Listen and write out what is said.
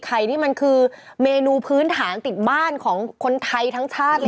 นี่มันคือเมนูพื้นฐานติดบ้านของคนไทยทั้งชาติเลย